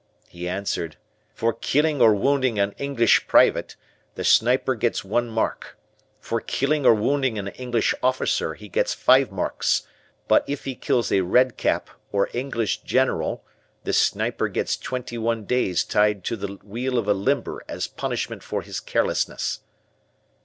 He answered: "For killing or wounding an English private, the sniper gets one mark. For killing or wounding an English officer he gets five marks, but if he kills a Red Cap or English General, the sniper gets twenty one days tied to the wheel of a limber as punishment for his carelessness."